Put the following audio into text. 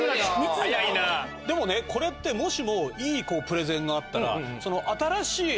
でもねこれってもしもいいプレゼンがあったら。